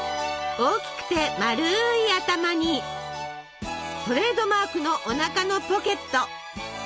大きくて丸い頭にトレードマークのおなかのポケット。